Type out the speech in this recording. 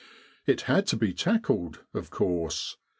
It had to be tackled, of course.